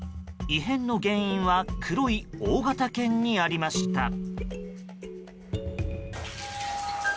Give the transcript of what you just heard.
異変の原因は黒い大型犬にありました。